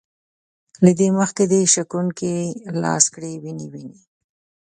له دې مخکې د شکوونکي لاس کړي وينې وينې